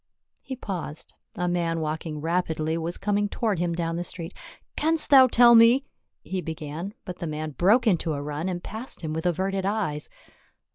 He paused, a man walking rapidly was coming toward him down the street. " Canst thou tell me —" he began, but the man broke into a run, and passed him with averted eyes.